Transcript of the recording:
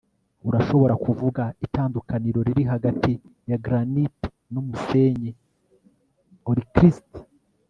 urashobora kuvuga itandukaniro riri hagati ya granite numusenyi? (orcrist